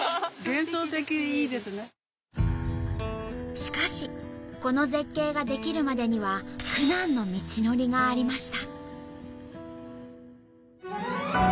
しかしこの絶景が出来るまでには苦難の道のりがありました。